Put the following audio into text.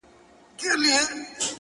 o نو نن،